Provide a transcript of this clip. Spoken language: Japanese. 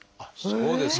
そうですか！